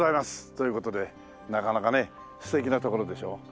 という事でなかなかね素敵な所でしょう？